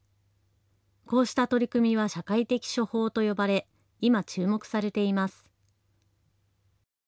こうした取り組みは社会的処方と呼ばれ今、注目されています。